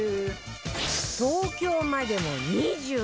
東京までも２５分